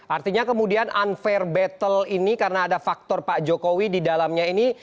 artinya kemudian unfair battle ini karena ada faktor pak jokowi di dalamnya ini